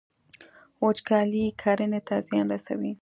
وچکالي کرنې ته زیان رسوي.